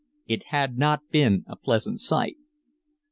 It had not been a pleasant sight.